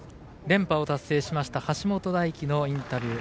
連覇を達成しました橋本大輝のインタビュー。